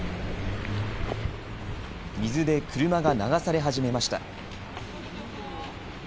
水で車が流され始めました。